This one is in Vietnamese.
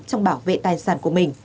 trong bảo vệ tài sản của họ